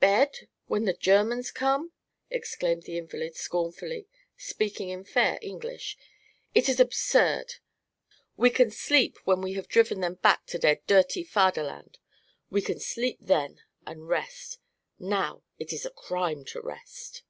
"Bed, when the Germans come?" exclaimed the invalid, scornfully, speaking in fair English. "It is absurd! We can sleep when we have driven them back to their dirty Faderland we can sleep, then, and rest. Now, it is a crime to rest."